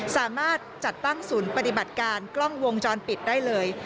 สามารถจัดตั้งศูนย์ปฏิบัติการกล้องวงจรปิดได้เลย